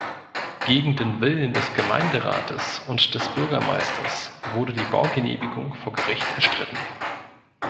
Gegen den Willen des Gemeinderates und des Bürgermeisters wurde die Baugenehmigung vor Gericht erstritten.